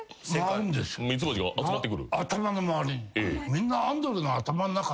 みんな。